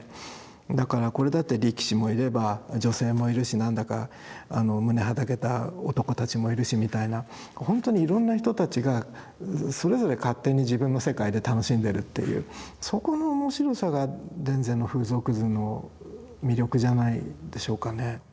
だからこれだって力士もいれば女性もいるし何だか胸はだけた男たちもいるしみたいな本当にいろんな人たちがそれぞれ勝手に自分の世界で楽しんでるっていうそこの面白さが田善の風俗図の魅力じゃないでしょうかね。